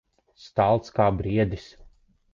Stalts kā briedis.